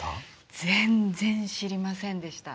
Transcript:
全然知りませんでした。